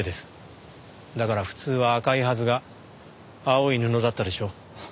だから普通は赤いはずが青い布だったでしょう？